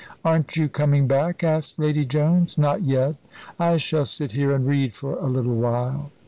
"Aren't you coming back?" asked Lady Jones. "Not yet. I shall sit here and read for a little while."